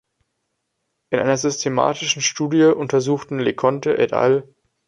In einer systematischen Studie untersuchten Leconte "et al.